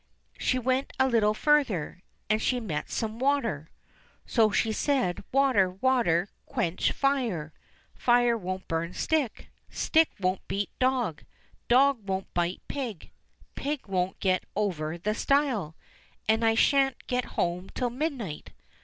She went a little further, and she met some water. So she said, "Water ! water ! quench fire ; fire won't burn stick ; stick won't beat dog ; dog won't bite pig ; pig won't get over the stile ; and I shan't get home till midnight."